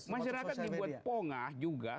masyarakat dibuat pongah juga